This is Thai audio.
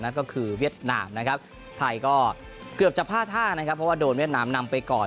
นั่นก็คือเวียดนามนะครับไทยก็เกือบจะพลาดท่านะครับเพราะว่าโดนเวียดนามนำไปก่อน